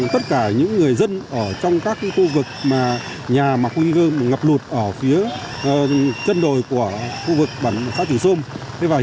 tất cả những người dân ở trong các khu vực nhà mà nguy cơ ngập lụt ở phía chân đồi của khu vực xã triềng sông